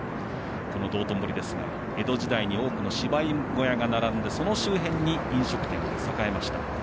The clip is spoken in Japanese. この道頓堀ですが、江戸時代に多くの芝居小屋が並んでその周辺に飲食店が栄えました。